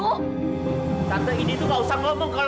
tante ini tuh kalau mencintai dewi